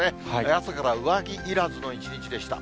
朝から上着いらずの一日でした。